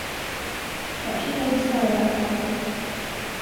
Var så god, svarade han kallt.